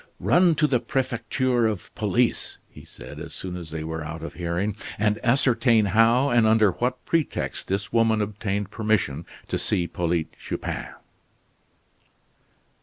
"Run to the Prefecture of Police," he said as soon as they were out of hearing, "and ascertain how and under what pretext this woman obtained permission to see Polyte Chupin."